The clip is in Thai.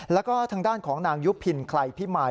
แล้วก็ทางด้านของนางยุพินใครพิมาย